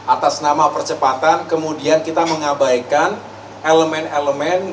atas nama percepatan kemudian kita mengabaikan elemen elemen